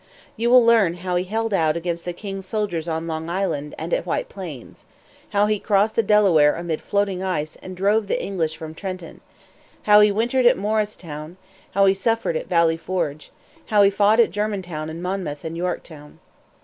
You will learn how he held out against the king's soldiers on Long Island and at White Plains; how he crossed the Delaware amid floating ice and drove the English from Trenton; how he wintered at Morristown; how he suffered at Valley Forge; how he fought at Germantown and Monmouth and Yorktown.